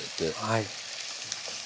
はい。